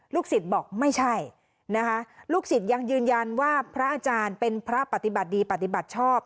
สิทธิ์บอกไม่ใช่นะคะลูกศิษย์ยังยืนยันว่าพระอาจารย์เป็นพระปฏิบัติดีปฏิบัติชอบ